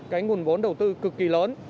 cái nguồn vốn đầu tư cực kỳ lớn